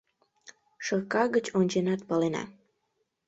Шырка гыч онченат палена.